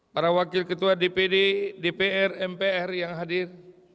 para wakil ketua dpd dpr mpr yang hadir